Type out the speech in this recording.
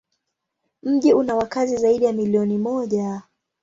Mji una wakazi zaidi ya milioni moja.